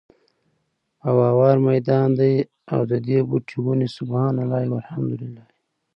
او هوار ميدان دی، او ددي بوټي وني سُبْحَانَ اللهِ، وَالْحَمْدُ للهِ